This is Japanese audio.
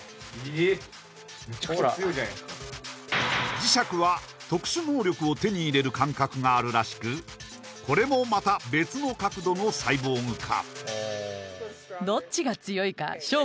磁石は特殊能力を手に入れる感覚があるらしくこれもまた別の角度のサイボーグ化